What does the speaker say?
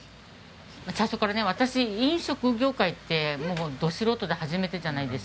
最初からね私飲食業界ってもうど素人で初めてじゃないですか。